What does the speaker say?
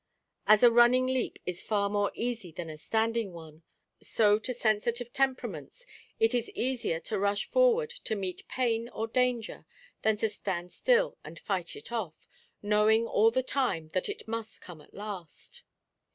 As a running leap is far more easy than a standing one, so to sensitive temperaments it is easier to rush forward to meet pain or danger than to stand still and fight it off, knowing all the time that it must come at last.